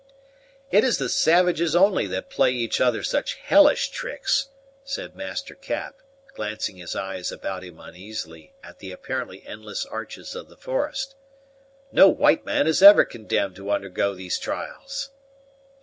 "It is the savages only that play each other such hellish tricks," said Master Cap, glancing his eyes about him uneasily at the apparently endless arches of the forest. "No white man is ever condemned to undergo these trials."